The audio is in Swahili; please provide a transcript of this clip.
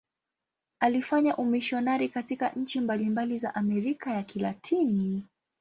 Alifanya umisionari katika nchi mbalimbali za Amerika ya Kilatini.